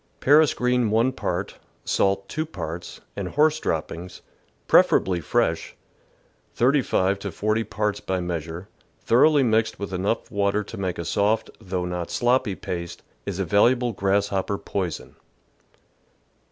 Paris green 1 part, salt 2 parts, and horse droppings (preferably fresh) S5 to 40 parts by measure, thoroughly mixed with enough water to make a soft though not sloppy paste, is a valuable grasshopper poison.